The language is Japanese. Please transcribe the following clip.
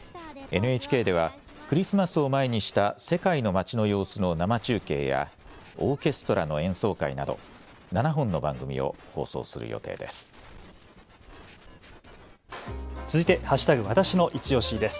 ＮＨＫではクリスマスを前にした世界の街の様子の生中継やオーケストラの演奏会など７本の番組を放送する予定です。